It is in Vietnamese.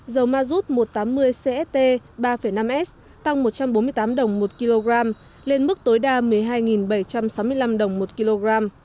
dầu mazut một trăm tám mươi cst ba năm s tăng một trăm bốn mươi tám đồng một kg lên mức tối đa một mươi hai bảy trăm sáu mươi năm đồng một kg